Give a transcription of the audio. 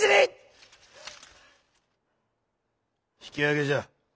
引き揚げじゃ。